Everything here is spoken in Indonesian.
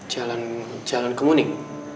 jalan jalan kemuning